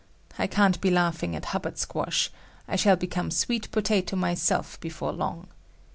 I can't be laughing at Hubbard Squash; I shall become Sweet Potato myself before long.